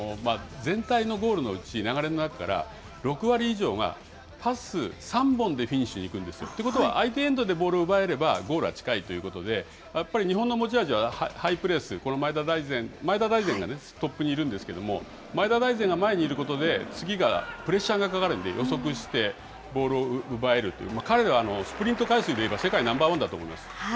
ハイプレスは、全体のゴールのうち、流れの中から、６割以上がパス３本でフィニッシュにいくんですよ。ということは、相手エンドでボールを奪えれば、ゴールは近いということで、やっぱり日本の持ち味はハイプレス、前田大然がね、トップにいるんですけれども、前田大然が前にいることで、次がプレッシャーがかかるんで、予測してボールを奪えるという。